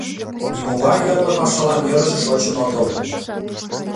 — Нимогай йӧнлӧ пашалан йӧрышӧ шочын отыл.